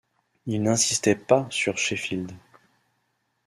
Il n’insistait pas sur Sheffield.